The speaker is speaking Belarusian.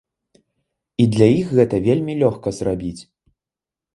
І для іх гэта вельмі лёгка зрабіць.